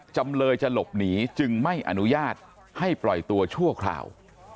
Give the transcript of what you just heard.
จำเลยจะหลบหนีจึงไม่อนุญาตให้ปล่อยตัวชั่วคราว